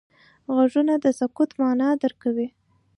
غوږونه د سکوت معنا درک کوي